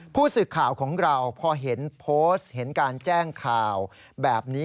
ผู้สื่อข่าวของเราพอเห็นโพสต์เห็นการแจ้งข่าวแบบนี้